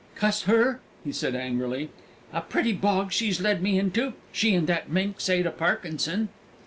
"Cuss her!" he said angrily; "a pretty bog she's led me into, she and that minx, Ada Parkinson!"